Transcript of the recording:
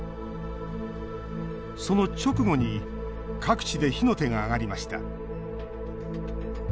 その直後に各地で火の手が上がりました。